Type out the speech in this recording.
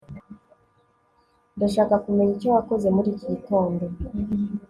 ndashaka kumenya icyo wakoze muri iki gitondo